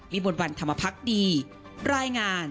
มีบรรวัณธรรมพักษ์ดีรายงาน